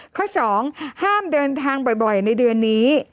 ข้อ๒ห้ามเดินทางบ่อยในเดือนนี้